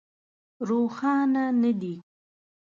روښانه نه دي.